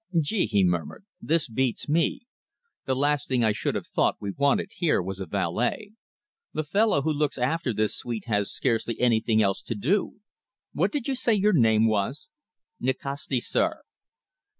"Gee!" he murmured. "This beats me. The last thing I should have thought we wanted here was a valet. The fellow who looks after this suite has scarcely anything else to do. What did you say your name was?" "Nikasti, sir."